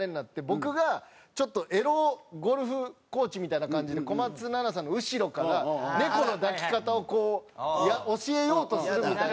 僕がちょっとエロゴルフコーチみたいな感じで小松菜奈さんの後ろから猫の抱き方をこう教えようとするみたいなので。